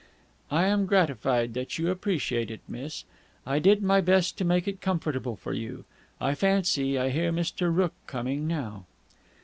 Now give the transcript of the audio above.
"I am gratified that you appreciate it, miss. I did my best to make it comfortable for you. I fancy I hear Mr. Rooke coming now."